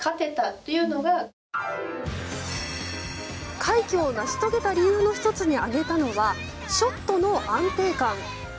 快挙を成し遂げた理由の１つに挙げたのはショットの安定感。